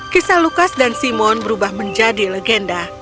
kisah lukas dan simon berubah menjadi legenda